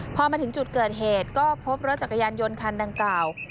พอมาถึงจุดเกิดเหตุก็พบรถจักรยานยนต์คันดังกล่าว